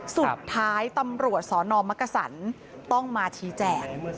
สุดท้ายตำรวจสนมักกษันต้องมาชี้แจง